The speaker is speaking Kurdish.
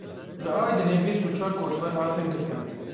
Li Aydinê bîst û çar koçber hatin girtin.